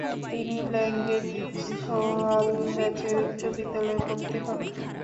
তিনি ল্যাঙ্গেনিস্খোয়ালব্যাচের উচ্চ বিদ্যালয়ে ভর্তি হন।